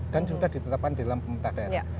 dan sudah ditetapkan dalam pembentah daerah